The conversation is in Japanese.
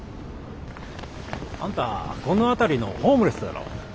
あんたこの辺りのホームレスだろ。